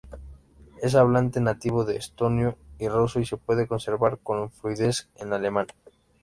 Es hablante nativo de estonio y ruso, y puede conversar con fluidez en alemán.